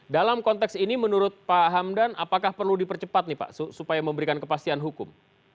dalam konteks ini menurut pak hamdan apakah perlu dipercepat nih pak supaya memberikan kepastian hukum